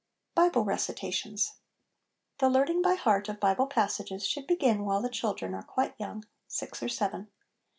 1 Bible Recitations. The learning by heart of Bible passages should begin while the children are quite young, six or seven.